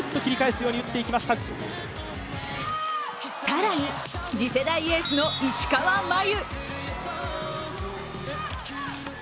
更に、次世代エースの石川真佑。